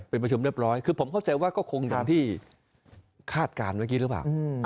เป็นประชุมเรียบร้อยคือผมเข้าใจว่าก็คงอย่างที่คาดการณ์เมื่อกี้หรือเปล่า